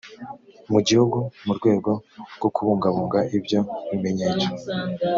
mu gihugu mu rwego rwo kubungabunga ibyo bimenyetso